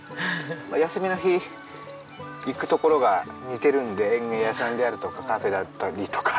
休みの日行く所が似てるんで園芸屋さんであるとかカフェだったりとか。